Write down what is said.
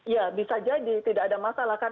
ya bisa jadi tidak ada masalah kan